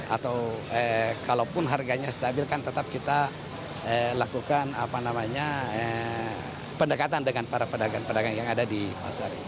atau kalaupun harganya stabil kan tetap kita lakukan pendekatan dengan para pedagang pedagang yang ada di pasar ini